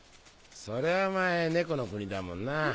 そりゃお前猫の国だもんな。